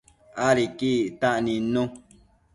Adequi ictac nidnu